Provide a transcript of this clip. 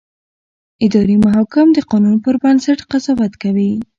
اداري محاکم د قانون پر بنسټ قضاوت کوي.